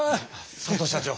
佐藤社長！